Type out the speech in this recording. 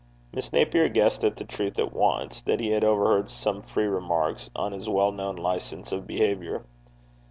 Miss Napier guessed at the truth at once that he had overheard some free remarks on his well known licence of behaviour.